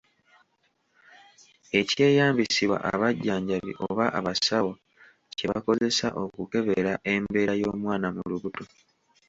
Ekyeyambisibwa abajjanjabi oba abasawo kye bakozesa okukebera embeera y'omwana mu lubuto.